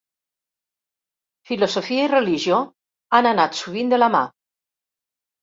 Filosofia i religió han anat sovint de la mà.